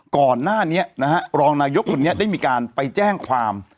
ก่อนหน้านี้นะฮะรองนายกคนนี้ได้มีการไปแจ้งความ